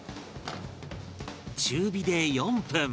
中火で４分